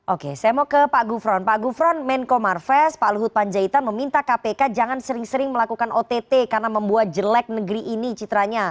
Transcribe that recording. oke saya mau ke pak gufron pak gufron menko marves pak luhut panjaitan meminta kpk jangan sering sering melakukan ott karena membuat jelek negeri ini citranya